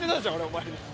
お前に。